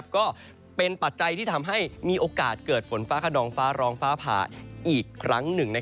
ก็เป็นปัจจัยที่ทำให้มีโอกาสเกิดฝนฟ้าขนองฟ้าร้องฟ้าผ่าอีกครั้งหนึ่ง